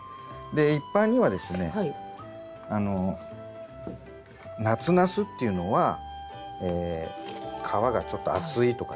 で一般にはですね夏ナスっていうのは皮がちょっと厚いとかですね